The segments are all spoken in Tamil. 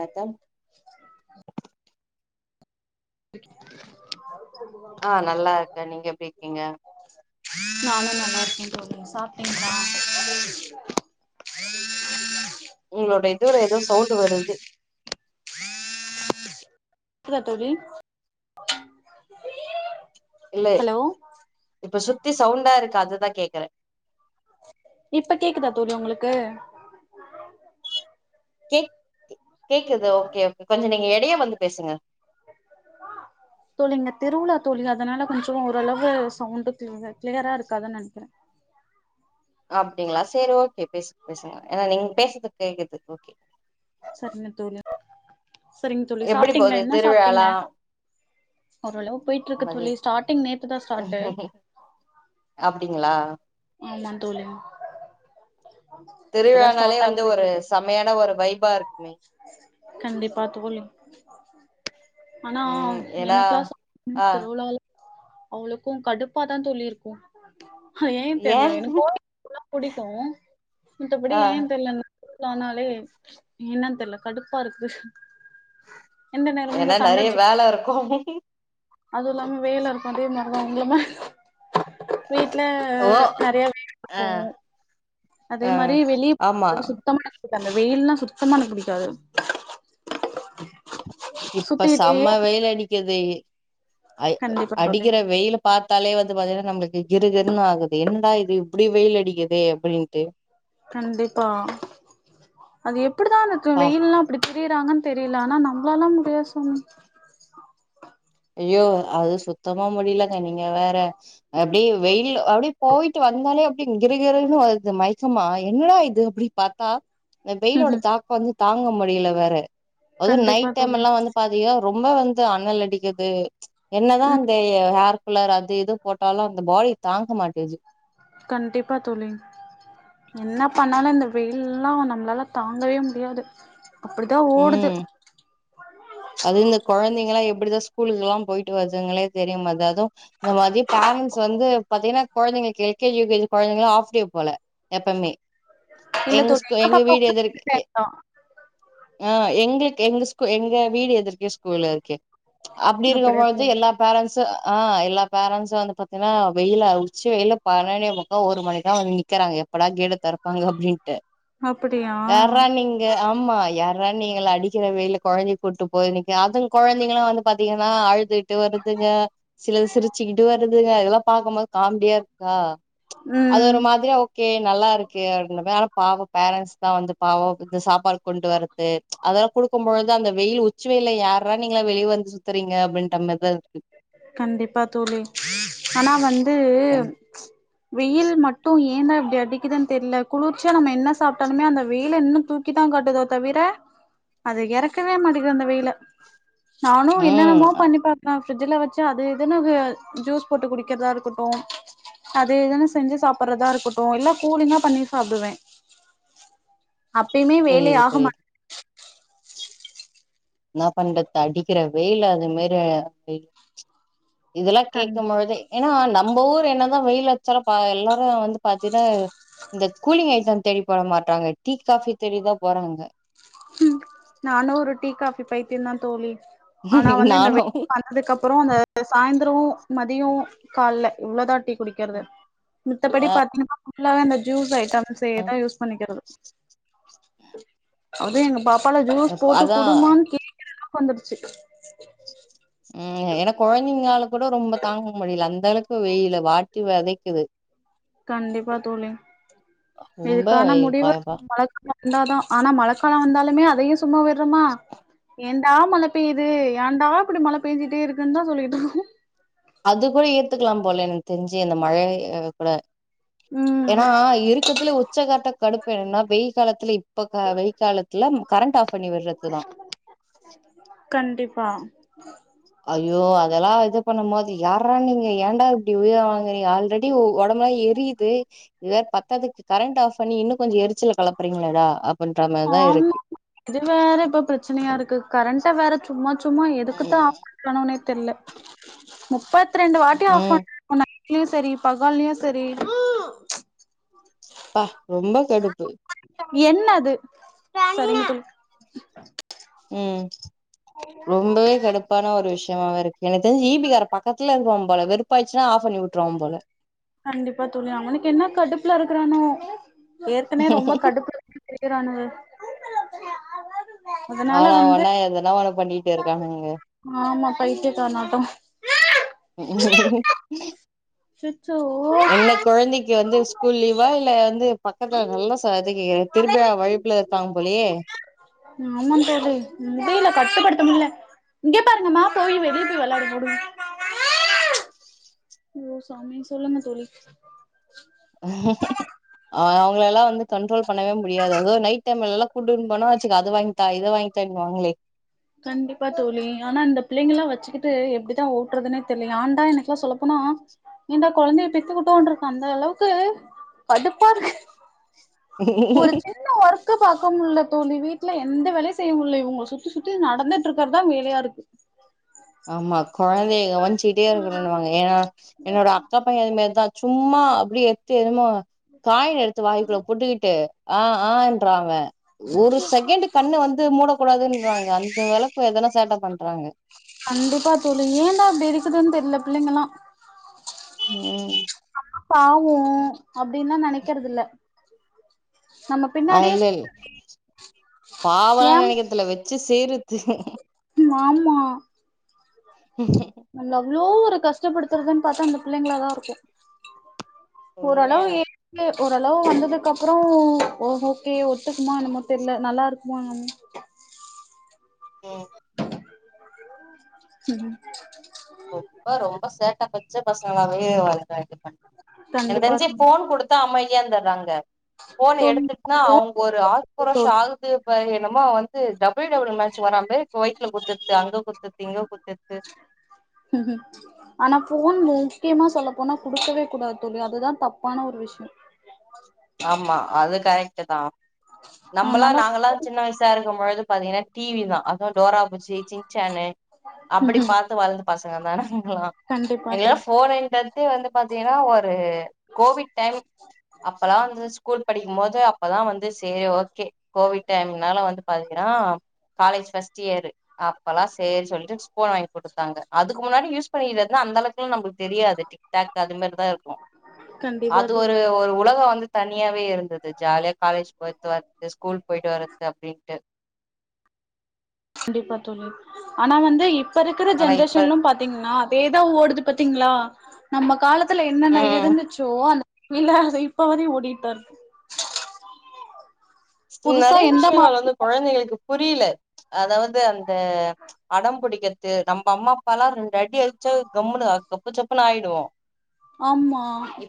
அதாம் ஆ நல்லா இருக்கேன் நீங்க எப்டி இருக்கீங்க நானும் நல்லா இருக்கேன் தோழி சாப்டீங்களா உங்களோட இதுல ஏதோ சவுண்ட் வருது இல்ல தோழி இல்ல ஹலோ இப்ப சுத்தி சவுண்டா இருக்கு அததான் கேக்குறேன் இப்ப கேக்குதா தோழி உங்களுக்கு கே கேக்குது ஓகே ஓகே கொஞ்சம் நீங்க எடையா வந்து பேசுங்க தோழிங்க திருவிழா தோழி அதனால கொஞ்சம் ஓரளவு சவுண்டுள கிளியரா இருக்காதுன்னு நெனைக்கிறேன் அப்டிங்களா செரி ஓகே பேசு பேசுங்க ஏனா நீங்க பேசுறது கேக்குது ஓகே செரிங்க தோழி செரிங்க தோழி எப்டி சாப்ட்டீங்களா போது என்ன சாப்ட்டீங்க திருவிழாலா ஓரளவ் போயிட்ருக்கு மதி தோழி ஸ்டார்டிங் நேத்து தா ஸ்டார்ட்டு அப்டிங்ளா ஆமா தோழி இப்பதா திருவிழானாலே ஸ்டார்ட் ஆகி வந்து போயிட்டு ஒரு இருக்கு செம்மையான ஒரு வைபா இருக்குமே கண்டிப்பா தோழி ஆனா ம் ஏன்னா எனக்கெல்லா ஆ [inaudible] திருவிழா அவுளுக்கு கடுப்பாதா தோழி இருக்கு அ ஏன் ஏ தெர்ல எனக் [inaudible] போனா புடிக்கு மத்தபடி ஆ ஏன் தெர்ல ஆனாலே என்னன் தெர்ல கடுப்பா இருக்கு ஏன்னா நெறைய வேல இருக்கு அது இல்லாம வேல இருக்கு அதே [inaudible] வீட்ல ஓ நெறைய வீட்டுக் ஆ போவோ அதே ஆ மாரி ஆமா வெளிப் சுத்தமா [inaudible] எனக் அந்த வெயில்னா சுத்தமா எனக் புடிக்காது இப்ப சுத்திக்கிட்டே சம்ம வெயில் அடிக்கிது அ கண்டிப்பா தோழி அடிக்கிற வெயிலு பாத்தாலே வந்து பாத்தீன்னா நம்ளுக்கு கிறுகிறுன் ஆகுது என்னடா இது இப்டி வெயில் அடிக்குதே அப்டின்ட்டு கண்டிப்பா அது எப்டிதா [unintelligible] பா வெயில்லா அப்டி தெரிறாங்கன் தெரியில ஆனா நம்ளாலா முடியாது சாமி ஐயோ அது சுத்தமா முடியலங்க நீங்க வேற அப்டி வெயில் அப்டி போயிட்டு வந்தாலே அப்டி கிறு கிறுன்னுது மயக்கமா என்னடா இது அப்டி பாத்தா இந்த வெயிலோட தாக்க வந்து தாங்க முடியல வேற அது கண்டிப்பா நைட் டைம் தோழி எல்லா வந்து பாத் பாதீனா ரொம்ப வந்து அனல் அடிக்குது என்னதா ம் அந்த எ ஏர் கூலர் அது இது போட்டாலு அந்த பாயில் தாங்க மாட்டிது கண்டிப்பா தோழி என்ன பண்ணாலு இந்த வெயில்லா நம்மளால தாங்கவே முடியாது அப்டிதா ஓடுது ம் அது இந்த கொழந்தைங்களா எப்டிதா ஸ்கூலுக்கெல்லா போயிட்டு வருதுகளே தெரியுமதாது இந்த மாதி பேரன்ட்ஸ் வந்து பாத்தீங்கனா கொழந்தைங்களுக்கு L K G U K G கொழந்தைங்களா ஆஃப்டே போல எப்பமே இல்ல எங்க தோழி ஸ்கூ எங்க பாப்பா வீடு எதிரிக் எ ஆ எங்களுக் எங்க் ஸ்கூ எங்க வீடு எதிர்கவே ஸ்கூல் இருக்கு அப்டி அப்படியா இருக்கும்பொழுது தோழி எல்லா பேரண்ட்ஸ்சு ஆ எல்லா பேரண்ட்ஸ்சு வந்து பாத்தேனா வெயிலு [unintelligible] உச்சி வெயில்ல பதனொன்னே முக்கா ஒரு மணிக்தா வந்து நிக்கறாங்க எப்படா கேட் அ தெறப்பாங்க அப்டின்ட்டு அப்படியா யார்ரா நீங்க ஆமா யாரா நீங்க அடிக்கிற வெயில கொழந்தை கூட்டு போயிருவீங்க அது கொழந்தைங்களா வந்து பாத்தீங்கனா அழுதுட் ட்டு வருதுங்க சிலது சிரிச்சுக்கிட்டு வருதுங்க இதெல்லா பாக்கம்போது காமெடியா இருக்கா அது ம் ஒரு மாத்ரியா ஓகே நல்லா இருக்கே [unintelligible] பாவ பேரண்ட்ஸ் தா வந்து பாவ இந்த சாப்பாடு கொண்ட்டு வர்றது அதெல்லா குடுக்கும்பொழுதுதா அந்த வெய்யி உச்சி வெயில யார்ரா நீங்க வெளிய வந் சுத்தறீங்க அப்டின்ற மாரிதா இருக் கண்டிப்பா தோழி ஆனா வந்து கண் வெயில் மட்டு ஏன்தா இப்டி அடிக்குதுன் தெர்ல குளிர்ச்சியா நம்ம என்ன சாப்ட்டாலுமே அந்த வெயில இன்னு தூ க்கி தா காட்டுதோ தவிர அது இறக்கவே மாட்டேங்கிது அந்த வெயில நானு ம் என்னென்னமோ பண்ணி பாக்றே பிரிட்ஜ்ல வெச்சு அது இதுனு அது ஜுஸ் போட்டு குடிக்கற்தா இருக்கட்டு அது இதுன் செஞ்சு சாப்பட்றதா இருக்கட்டு எல்லா கூலிங்கா பண்ணி சாப்டுவே [inaudible] அப்பயுமே வேலை புரியுது ஆகமாட் புரியுது என்னா பண்றது அடிக்கிற வெயில் அந்த மாரி ஆயிச்சு இதெல்லா கண் கேக்கும் பொழுது ஏன்னா நம்ம ஊர் என்னதா வெயில் அடிச்சாலு ப எல்லாரு வந்து பாத்தினா இந்த கூலிங் ஐட்டம் தேடி போற மாட்றாங்க டீ காஃபி தேடிதா போறாங்க நானு ஒரு டீ காஃபி பைத்தியந்தா தோழி ஆனா வந்து இந்த வ நானு வந் அதுக்கப்பற அந்த சாய்ந்திரு மதிய கால்ல இவ்வளதா டீ குடிக்கறது மித்தபடி பாத்திங்கனா ஃபுல்லாவே இந்த ஜூஸ் ஐட்டம்ஸேதா யூஸ் பண்ணிக்கறது [unintelligible] அது எங்க பாப்பால ஜூஸ் போட்டு அதா குடுமான் கேக்கற அளவுக்கு வந்துருச்சு ம் ஏன்னா கொழந்தைங்லால கூட ரொம்ப தாங்கு முடில அந்த அளவுக்கு வெயிலு வாட்டி வதைக்குது கண்டிப்பா தோழி ரொம்ப இதுக்கான வெயில் முடிவு பாப்பா மழக்கா வந்தாதா ஆனா மழக்கால வந்தாலுமே அதையு சும்மா விடறமா ஏன்டா மழ பேய்து ஏன்டா இப்படி மழை பேஞ்சுட்டே இருக்குன்தா சொல்லிட்ருக்கோ அது கூட ஏத்துக்கலா போல எனக்கு தெரிஞ்சு அந்த மழைய கூட ஏன்னா ம் இருக்கத்துல உச்சகட்ட கடுப்பு என்னன்னா வெய் காலத்துல இப்ப வெய் காலத்துல கரண்ட் ஆஃப் பண்ணி விடுறதுதா கண்டிப்பா ஐயோ அதெல்லா இது பண்ணும்போது யாரா நீங்க ஏன்டா இப்டி உயிர வாங்கறிங்க ஆல்ரெடி இப்யு ஒடம்பெலா எரியுது இது வேற பத்தாதுக்கு கரண்ட் ஆஃப் பண்ணி இன்னு கொஞ்ச எரிச்சல கெளப்பறிங்ளேடா அப்பின்ற மார்தா ஆமா இருக்கு இது வேற இப்ப பிரச்சனையா இருக்கு கரண்ட்ட வேற சும்மா சும்மா எதுக்குத்தா ஆஃப் பண்றானுங்கனே தெர்ல முப்பத்ரெண்டு வாட்டி ஆஃப் ம் பண்றாங்க நைட்லயு சரி பகல்லயு சரி அப்பா ரொம்ப கடுப்பு என்னது சரி [unintelligible] ம் ரொம்பவே கடுப்பான ஒரு விஷயமாக இருக் எனக் தெரிஞ்சு ஈ பி கார பக்கத்துல இருக்குவா போல வெப்பாயிச்சுன்னா ஆஃப் பண்ணி விட்ருவா போல கண்டிப்பா தோழி அவனுக்கு என்ன கடுப்புல இருக்கறானோ ஏற்கனவே ரொம்ப கடுப்பு இருக்கறானுக அதனால ஆனா வந்து அவனா எதனா ஒண்ணு பண்ணிட்டு இருக்கானுங்க ஆமா பைத்தியா காரனாட்டொ உம் அச்சச்சோ என்ன குழந்தைக்கு வந்து ஸ்கூல் லீவா இல்ல வந்து பக்கத்துல நல்லா சதங் கேக்குது திருபிழா வைப்ல தா போலேயே ஆமா தோழி முடியல கட்டுப்படுத்த முடில இங்கே பாருங்கம்மா போய் வெளில போய் விள்யாடு போ [inaudible] ஐயோ சாமி சொல்லுங்க தோழி அவங்கள எல்லா வந்து கண்ட்ரோல் பண்ணவே முடியாது அது நைட் டைம்லெல்லா கூட்டுன் போனா வச்சிக்கோ அத வாங்கிதா இத வாங்கிதான்னு வாங்களே கண்டிப்பா தோழி ஆனா இந்த பிள்ளைங்கல்லா வச்சி கிட்டு எப்டித்தா ஓட்றதுனே தெர்லைங் யாண்டா எனக்கெலா சொல்லப்போனா ஏன்டா கொழந்தைய பெத்துக்கிட்டோன்றுக்கு அந்த அளவுக்கு கடுப்பாருக்கு பொரிச்சு ன்ன ஒர்க்கு பாக்க முடில தோழி வீட்ல எந்த வேலையு செய்ய முடில இவங்கள சுத்தி சுத்தி நடந்துட்டு இருக்கிறதா வேலையா இருக்கு ஆமா கொழந்தைய கவனிச்சிட்டே இருக்கணுன் வாங்க ஏனா என்னோட அக்கா பைய அந்த மேர்தா சும்மா அப்படியே எத்து எதுமோ காய எடுத்து வாய்க்குள்ள போட்டு கிட்டு ஆ ஆன்றங்கா ஒரு செகண்ட் கண்ணு வந் மூடக்கூடாதுன்றாங்க அந்த வேலக்கோ எதனா சேட்ட பண்றாங்க கண்டிப்பா தோழி ஏன்தா இப்டி இருக்குதுன்னு தெரில பிள்ளைங்களா ம் பாவோ அப்டின் தா நெனைக்கறதுல்ல ஆ இல் பாவலா ஏம் நெனைக்கறது இல்ல வெச்சி செய்றது ஆமா அவ்ளோ ஒரு கஷ்டப்படுத்துறதுன்னு பாத்தா அந்த புள்ளைங்களா தா இருக்கோ உண்மையா ஓரளவு ஓரளவு வந்ததுக்கு அப்றோ ஓகே ஒத்துக்குமா என்னமோ தெரில நல்லா இருக்குமா என்ன ம் ம் ரொம்ப ரொம்ப சேட்டா பச்ச பசங்களாவே வளர்ரங்க எனக்கு கண்டிப்பா தெரிஞ்சி ஃபோன் குடுத் தா அமைதியா இருந்துறாங்க ஃபோன் தோழி எடுத்துட்டுன்னா அவங்க ஒரு தோழி ஆக்ரோஷோ தோழி. ஆகுது இப்ப என்னமோ வந்து டபள்யூ டபள்யூ மேட்ச் வரா மேரி வைத்துல குத்தர்த்து அங்க குத்தர்த்து இங்க குத்தர்த்து ஆனா போன் முக்கியமா சொல்லப்போனா குடுக்கவே கூடாது தோழி அதுதா தப்பான ஒரு விஷ்யோ ஆமா அது கரைட்டு தா நம்மல்லா அதனால நாங்கல்லா சின்ன வயசா இருக்கும் போழுது பாத்தீங்கன்னா டிவி தா அதுவோ டோரா பூச்சி சின்சானு அப்டி ம் பாத்து வளந்த பசங்க தானே நபலா கண்டிப்பா எங்களா தோழி ஃபோரே ட்டு வந்து பாத்தீங்கன்னா ஒரு கோவிட் டைம் அப்ல்லா வந்துசு ஸ்கூல் படிக்கும் போது அப்பதா வந்து செரி ஓகே கோவிட் டைம்னால வந்து பாத்தீங்கன்னா காலேஜ் ஃபர்ஸ்ட் இயரு அப்பெல்லா செரி சொல்லிட்டு ஸ்போன் வாங்கி குடுத்தாங்க அதுக்கு முன்னாடி யூஸ் பண்ணிட்னிருந்த அந்த அளவுக்கல்லா நம்பளுக்கு தெரியாது டிக் டாக் அது மாரி தா இருக்கோ கண்டிப்பா அது தோழி ஒரு உலகோ வந்து தனியாவே இருந்துது ஜாலியா காலேஜ் போயிட்டு வரத்து ஸ்கூல் போயிட்டு வரத்து அப்டின்ட்டு கண்டிப்பா தோழி ஆனா வந்து இப்ப இருக்குற ஆனா இப்ப ஜென்ரேஷன் ல பா த்தீங்கன்னா அதே தா ஓடுது பாத்தீங்களா நம்ம காலத்துல என்னன்ன ம் இருந்துச்சி சோ அந்த இல்ல இப்ப வரையோ ஓடிட்டு தா இருக் புதுசா எந்த மா கொழந்தைகளுக்கு புரியல அதாவது அந்த அடம் பிடிக்கறத்து நம்ப அம்மா அப்பா ல்லா ரெண்டு அடி அடிச்சா கம்முனு கப்பு சப்புனு ஆய்டுவோ ஆமா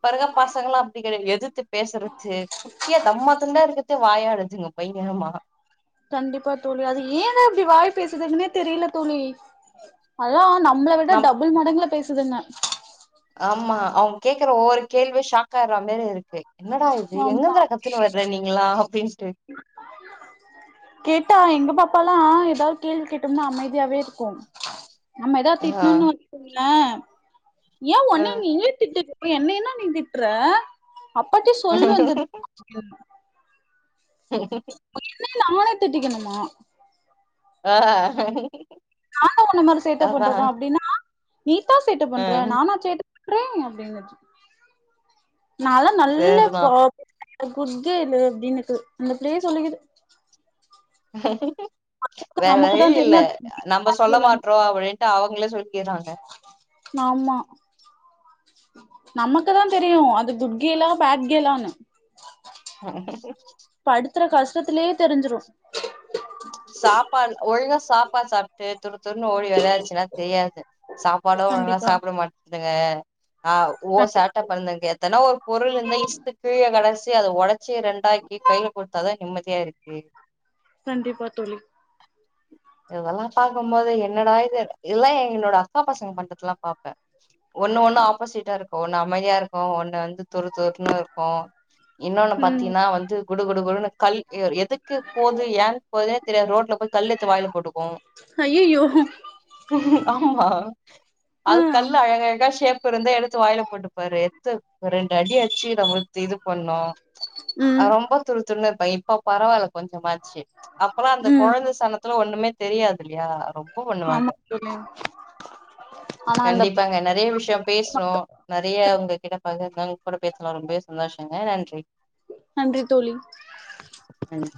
இப்ப இருக்க பசங்கள்ல்லா அப்டி கடய எதித்து பேசுறது குட்டியா தம்மாத்துண்டா இருக்கு வாயாடுதுங்க பையன் ஆமா கண்டிப்பா தோழி அது ஏ தா அப்டி வாய் பேசுதுன்னே தெரியல தோழி அதா நம்மள விட நம் டபுள் மடங்கு பேசுதுங்க ஆமா அவங்க கேக்குற ஒவ்வொரு கேள்வி ஷாக்கா ஆற மாதிரி இருக்கு என்னடா இது ஆமா எங்கன்றட கத்தினு வர்ற நீங்களா அப்டின்ட்டு கேட்டா எங்க பாப்பாளாலா ஏதாவது கேள்வி கேட்டோம்னா அமைதியாவே இருக்கு நம்ம ஏதாவது ஆ திட்டணும்னு வெச்சிகோகல ஏ ஆ ஒன்னுயே நீயே திட்டு அப்ற என்ன நீ திட்ற அப்பா ட சொல்லுவ வந்து என்ன நானே திட்டிக்குணுமா ஆ நானு உன்ன மாதிரி சேட்ட அதா பண்றனா அப்டின்னா நீதா சேட்ட ஆ பண்ற நானா சேட் க்றே அப்டின்னுச் நால்லா நல்ல சேர்தா பாப் குட் கேளு அப்டின்னுட்டு அந்த பிள்ளயே சொல்லிக்குது [unintelligible] வேற வழி நமக்குதா இல்ல தெரியு நம்ம சொல்ல மாட்றோ அப்டின்ட்டு அவுங்களே சொல்லிக்கிறாங்க நாம்மா நமக்குதா தெரியு அது குட் கேலா பேட் கேலானு [unintelligible] படுத்துற கஷ்டத்திலயே தெரிஞ்சிரு சாப்பாடு ஒழுங்கா சாப்பாடு சாப்பிட்டு துரு துருன்னு ஓடி வெளாடுச்சுன்னா தெரியாது சாப்பாடு ஒழுங்கா கண்டிப்பா சாப்பிட மாட்டேதுங்க ஆ ஓ கண்டிப்பா சேட்ட கொழந்தங்க எத்தனா ஒரு பொருள் இருந்த இஸ்த்து கீழ கடாசி அத ஒடச்சி ரெண்டாக்கி கையில கொட் அதா நிம்மதியா இருக்கு கண்டிப்பா தோழி [unintelligible] இதெல்லா பாக்கும்போது என்னடா இது இதெல்லா எங்களோட அக்கா பசங்க பண்றதுல்லா பாப்ப ஒண்ணு ஒண்ணு ஆப்போசிட்டா இருக்கு ஒண்ணு அமைதியா இருக்கு ஒண்ணு வந்து துரு துருன்னு இருக்கு இன்னொன்னு ம் பாத்தீன்னா வந்து குடு குடு குடுன்னு கல் எதுக்கு போது ஏன் போது ரே தெரியாது ரோட்ல போய் கல் எடு த்து வாயில போட்டுக்கு ஐயையோ ஆமா அது ம் கல் அழகா அழகா ஷேப் இருந்தா எடுத்து வாயில போட்டுப்பாரு எத்து ரெண்டு அடி அடிச்சு நம்மத் இது பண்ணு ம் ரொம்ப துரு துருண்ணு இருப்பா இப்ப பரவாயில்ல கொஞ்சமாச்சு அப்பெல்லா அந்த ம் குழந்த சனத் தோ ஒண்ணுமே தெரியாதுல்லியா ரொம்ப பண்ணுவாங்க குட் நைட் கண்டிப்பாங்க நெறைய விஷியம் பேசுறோ நெறைய உங்க கிட்ட பகிந்தோ உங்க கூட பேசலா ரொம்ப சந்தோஷங்க நன்றி நன்றி தோழி நன்றி